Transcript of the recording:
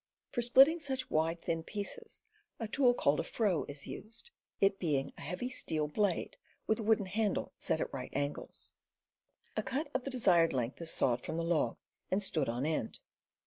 For splitting such wide, thin pieces a tool called a froe is used, it being a heavy steel blade, with a wooden handle set at right angles. A cut of the desired length is sawed from the log and stood on end.